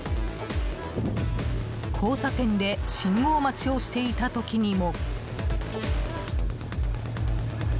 交差点で信号待ちをしていた時にも。